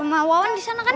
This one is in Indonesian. rumah wawan di sana kan